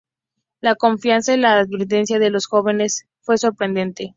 La confianza en la asertividad de los jóvenes fue sorprendente.